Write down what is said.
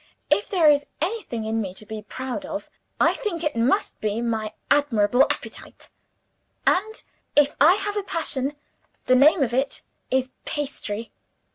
"If there is anything in me to be proud of, I think it must be my admirable appetite. And, if I have a passion, the name of it is Pastry.